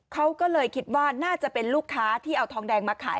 เขาก็เลยคิดว่าน่าจะเป็นลูกค้าที่เอาทองแดงมาขาย